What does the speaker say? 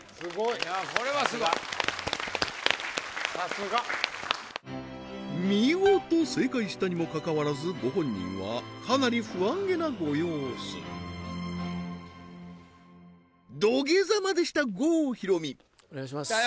はい見事正解したにもかかわらずご本人はかなり不安げなご様子土下座までした郷ひろみ来たよ